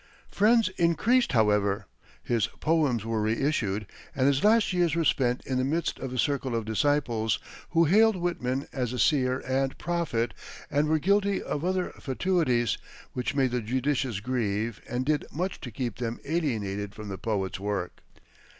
Friends increased, however; his poems were re issued, and his last years were spent in the midst of a circle of disciples, who hailed Whitman as a seer and prophet and were guilty of other fatuities which made the judicious grieve and did much to keep them alienated from the poet's work.